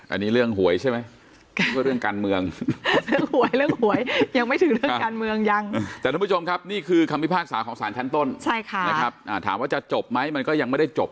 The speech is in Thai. อันนี้เรื่องหวยใช่ไหมก็เรื่องการเมืองเรื่องหวยเรื่องหวยยังไม่ถึงเรื่องการเมืองยังแต่ทุกผู้ชมครับนี่คือคำพิพากษาของสารชั้นต้นนะครับถามว่าจะจบไหมมันก็ยังไม่ได้จบ